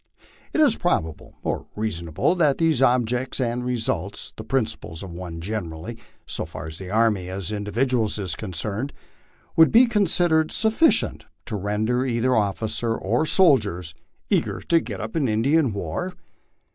Is it probable or reasonable that these objects and results, the principal ones generally, so far as the army as individuals is concerned, would be considered sufficient to render either officers or soldiers " eager tc get up an Indian war